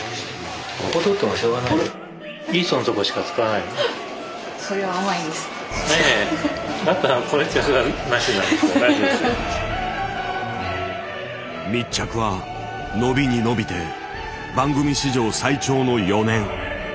いやいや密着は延びに延びて番組史上最長の４年。